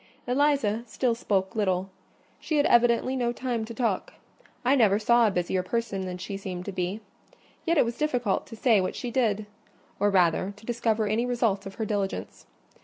Eliza still spoke little: she had evidently no time to talk. I never saw a busier person than she seemed to be; yet it was difficult to say what she did: or rather, to discover any result of her diligence.